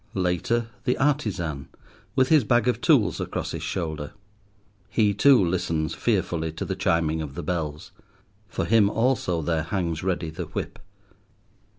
Later, the artisan, with his bag of tools across his shoulder. He, too, listens fearfully to the chiming of the bells. For him also there hangs ready the whip.